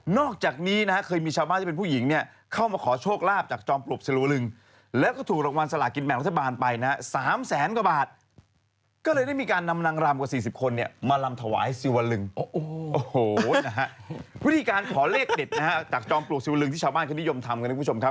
โหนะฮะวิธีการขอเลขเด็ดนะฮะจอมปู่กศิลป์วลึงที่ชาวบ้านก็นิยมทำกันนะคุณผู้ชมครับ